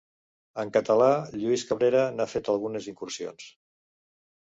En català, Lluís Cabrera n'ha fet algunes incursions.